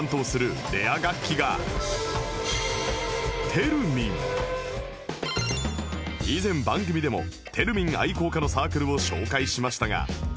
そこで以前番組でもテルミン愛好家のサークルを紹介しましたが